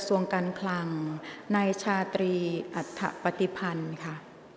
กรรมการท่านแรกนะคะได้แก่กรรมการใหม่เลขกรรมการขึ้นมาแล้วนะคะ